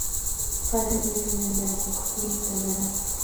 فرهنګ د ټولني د ارزښتونو تله ده.